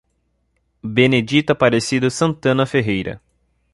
Benedito Aparecido Santana Ferreira